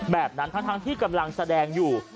แบบนั้นทั้งที่กำลังแสดงอยู่